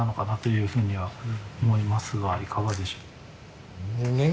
ふうには思いますがいかがでしょう。